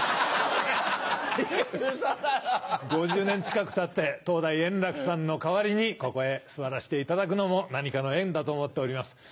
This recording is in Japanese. ５０年近くたって当代円楽さんの代わりにここへ座らせていただくのも何かの縁だと思っております。